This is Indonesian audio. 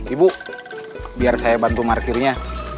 ibu biar saya bantu markirnya